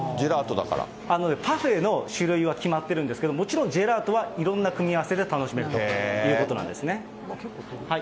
あのね、パフェの種類は決まっているんですけど、もちろんジェラートはいろんな組み合わせで楽しめるということなんですね。